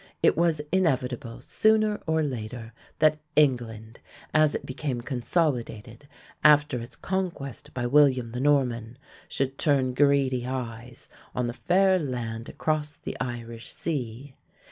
It was inevitable, sooner or later, that England, as it became consolidated after its conquest by William the Norman, should turn greedy eyes on the fair land across the Irish sea.